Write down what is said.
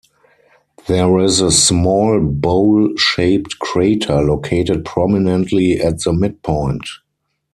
There is a small bowl-shaped crater located prominently at the midpoint.